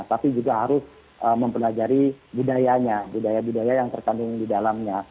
tapi juga harus mempelajari budayanya budaya budaya yang terkandung di dalamnya